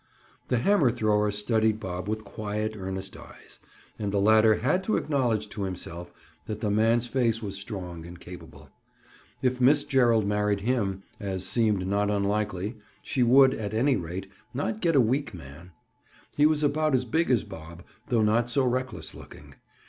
The hammer thrower studied Bob with quiet earnest eyes, and the latter had to acknowledge to himself that the man's face was strong and capable. If Miss Gerald married him—as seemed not unlikely—she would, at any rate, not get a weak man. He was about as big as Bob, though not so reckless looking.